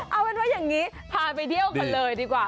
เอาเป็นว่าอย่างนี้พาไปเที่ยวกันเลยดีกว่า